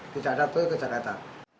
tidak ada tol ke jakarta